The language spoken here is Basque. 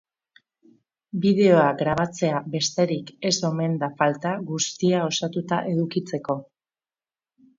Bideoa grabatzea besterik ez omen da falta guztia osatuta edukitzeko.